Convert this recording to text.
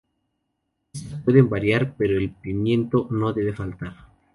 Estas pueden variar pero el pimiento no debe faltar.